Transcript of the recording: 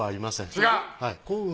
違う？